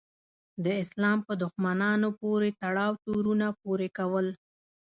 د اسلام په دښمنانو پورې تړاو تورونه پورې کول.